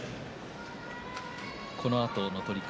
このあとの取組